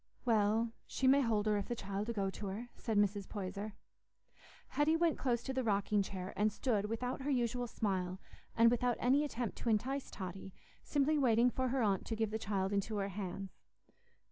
"Well, she may hold her if the child 'ull go to her," said Mrs. Poyser. Hetty went close to the rocking chair, and stood without her usual smile, and without any attempt to entice Totty, simply waiting for her aunt to give the child into her hands.